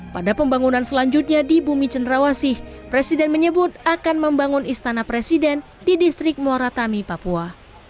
pada pembangunan selanjutnya di bumi cenderawasih presiden menyebut akan membangun istana presiden di distrik muara tami papua